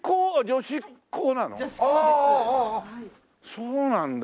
そうなんだ。